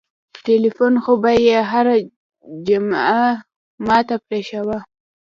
ټېلفون خو به يې هره جمعه ما ته پرېښووه.